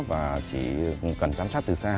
và chỉ cần chăm sát từ xa